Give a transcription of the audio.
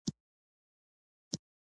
هغه ولې پر ما د فریدګل نوم ایښی و